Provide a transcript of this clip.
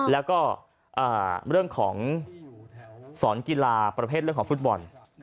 แล้วก็เรื่องของสอนกีฬาประเภทเรื่องของฟุตบอล